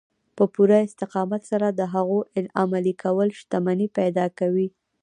په پوره استقامت سره د هغو عملي کول شتمني پيدا کوي.